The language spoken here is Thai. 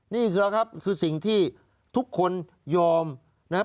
นี่แหละครับคือสิ่งที่ทุกคนยอมนะครับ